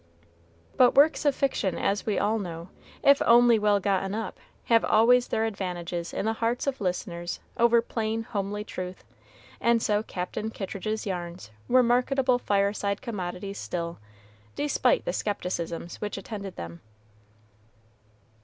But works of fiction, as we all know, if only well gotten up, have always their advantages in the hearts of listeners over plain, homely truth; and so Captain Kittridge's yarns were marketable fireside commodities still, despite the skepticisms which attended them.